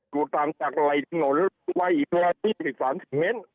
อยู่ตามจากไหล่ถนนไว้ตัวที่๑๓เมตร